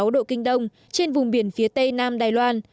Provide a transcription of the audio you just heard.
một trăm một mươi chín sáu độ kinh đông trên vùng biển phía tây nam đài loan